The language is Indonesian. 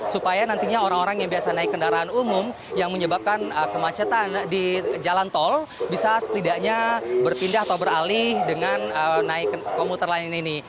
supaya nantinya orang orang yang biasa naik kendaraan umum yang menyebabkan kemacetan di jalan tol bisa setidaknya berpindah atau beralih dengan naik komuter lain ini